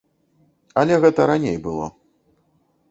Але гэта раней было.